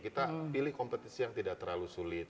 kita pilih kompetisi yang tidak terlalu sulit